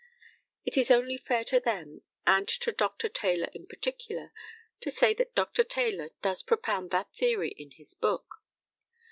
It is only fair to them, and to Dr. Taylor in particular, to say that Dr. Taylor does propound that theory in his book.